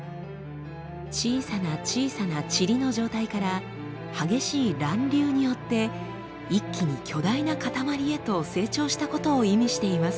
小さな小さなチリの状態から激しい乱流によって一気に巨大なかたまりへと成長したことを意味しています。